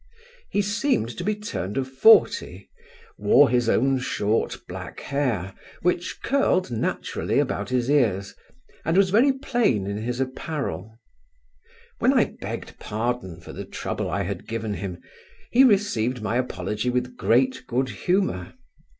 He seemed to be turned of forty; wore his own short black hair, which curled naturally about his ears, and was very plain in his apparel When I begged pardon for the trouble I had given him, he received my apology with great good humour.